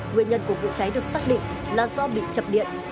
nguyên nhân của vụ cháy được xác định là do bị chập điện